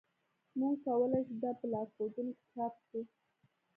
موږ کولی شو دا په لارښودونو کې چاپ کړو